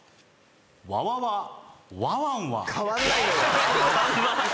「ワワワワワンワ」